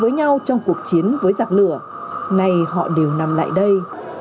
với nhau trong cuộc chiến với giặc lửa nay họ đều nằm lại đây